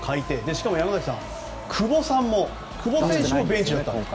しかも山崎さん久保選手もベンチだったと。